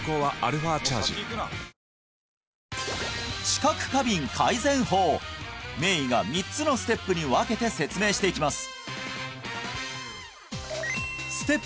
知覚過敏改善法名医が３つのステップに分けて説明していきます